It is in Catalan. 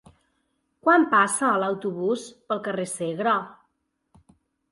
Quan passa l'autobús pel carrer Segre?